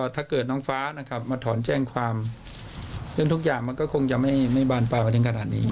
ถ้าเกิดน้องฟ้านะครับมาถอนแจ้งความเรื่องทุกอย่างมันก็คงจะไม่บานปลายไปถึงขนาดนี้